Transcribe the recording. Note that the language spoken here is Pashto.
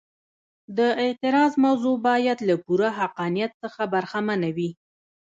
د اعتراض موضوع باید له پوره حقانیت څخه برخمنه وي.